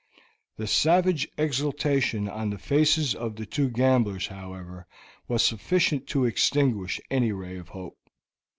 The savage exultation on the faces of the two gamblers, however, was sufficient to extinguish any ray of hope.